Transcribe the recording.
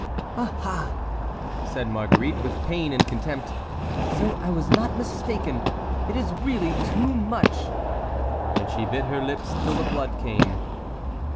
"Ah, ha!" said Marguerite, with pain and contempt, "so I was not mistaken—it is really too much;" and she bit her lips till the blood came.